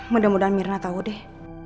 mudah mudahan mirna tahu deh